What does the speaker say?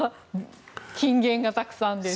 金言がたくさんです。